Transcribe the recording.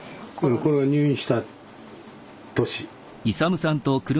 これは入院した年。